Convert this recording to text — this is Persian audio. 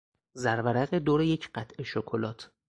زرورق دور یک قطعه شکلات